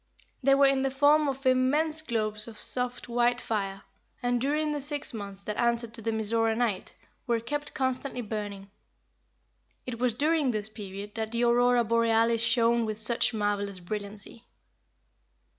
They were in the form of immense globes of soft, white fire, and during the six months that answered to the Mizora night, were kept constantly burning. It was during this period that the Aurora Borealis shone with such marvelous brilliancy.